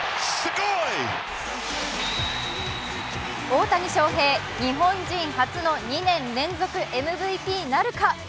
大谷翔平、日本人初の２年連続ＭＶＰなるか。